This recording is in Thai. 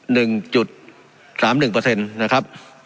หนึ่งจุดสามหนึ่งเปอร์เซ็นต์นะครับ